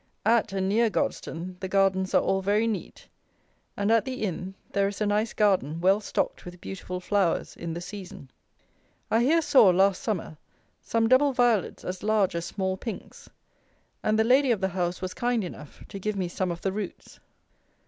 At and near Godstone the gardens are all very neat, and at the Inn there is a nice garden well stocked with beautiful flowers in the season. I here saw, last summer, some double violets as large as small pinks, and the lady of the house was kind enough to give me some of the roots.